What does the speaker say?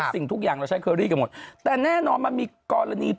สิ่งทุกอย่างเราใช้เคอรี่กันหมดแต่แน่นอนมันมีกรณี